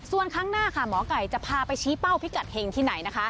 ส่วนครั้งหน้าค่ะหมอไก่จะพาไปชี้เป้าพิกัดเห็งที่ไหนนะคะ